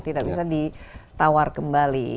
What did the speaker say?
tidak bisa ditawar kembali